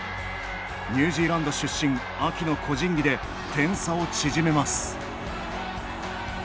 ニュージーランド出身アキの個人技で点差を縮めます。